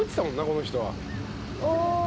この人は。